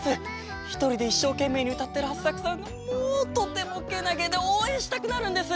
ひとりでいっしょうけんめいにうたってるハッサクさんがもうとてもけなげでおうえんしたくなるんです！